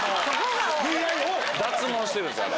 脱毛してるんです。